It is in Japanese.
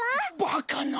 バカな。